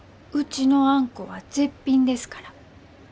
うちのあんこは絶品ですから。